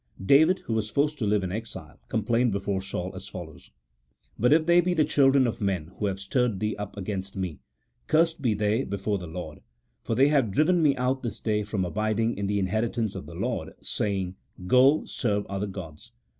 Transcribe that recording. David, who was forced to live in exile, complained before Saul as follows :" But if they be the children of men who have stirred thee up against me, cursed be they before the Lord ; for they have driven me out this day from abiding in the inheritance of the Lord, saying, Go, serve other gods."